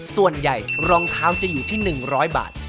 ส่วนใหญ่รองเท้าจะอยู่ที่๑๐๐บาท